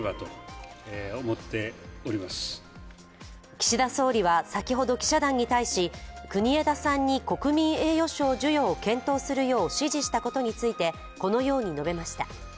岸田総理は先ほど記者団に対し、国枝さんに国民栄誉賞授与を検討するよう指示したことについて、このように述べました。